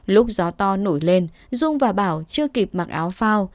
lúc gió to nổi lên dung và bảo chưa kịp mặc áo phao